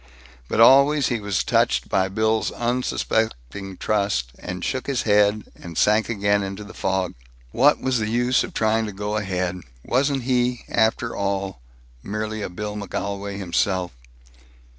But always he was touched by Bill's unsuspecting trust, and shook his head, and sank again into the fog. What was the use of trying to go ahead? Wasn't he, after all, merely a Bill McGolwey himself?